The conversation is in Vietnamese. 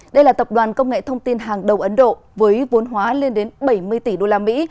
đây là tập đoàn công nghệ thông tin hàng đầu ấn độ với vốn hóa lên đến bảy mươi tỷ usd